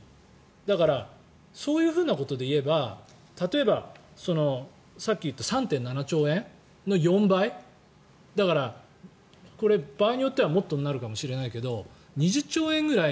だから、そういうふうなことで言えば例えば、さっき言った３．７兆円の４倍だから、場合によってはもっとになるかもしれないけど２０兆円ぐらい。